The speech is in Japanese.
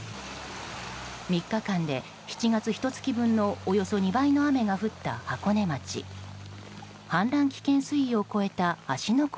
３日間で、７月ひと月分のおよそ２倍の雨が降った箱根町。